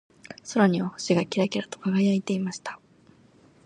空には星がキラキラと輝いていました。